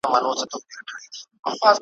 شیخ له زمانو راته په قار دی بیا به نه وینو `